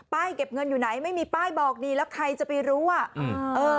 เก็บเงินอยู่ไหนไม่มีป้ายบอกดีแล้วใครจะไปรู้อ่ะอืมเออ